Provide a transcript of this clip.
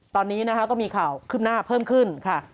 ตอนนี้นะคะก็มีข่าวขึ้นหน้าเพิ่มขึ้นค่ะ